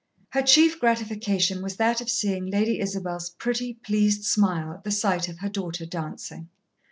Her chief gratification was that of seeing Lady Isabel's pretty, pleased smile at the sight of her daughter dancing.